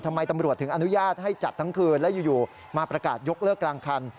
ทำไมตำรวจถึงอนุญาตให้จัดทั้งคืนและอยู่มาประกาศยกเลิกกลางคัน